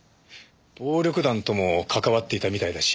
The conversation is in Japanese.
暴力団ともかかわっていたみたいだし。